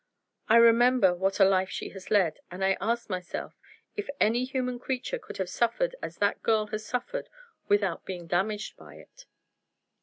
I remember what a life she has led, and I ask myself if any human creature could have suffered as that girl has suffered without being damaged by it.